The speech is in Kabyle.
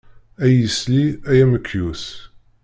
Ay isli ay amekyus.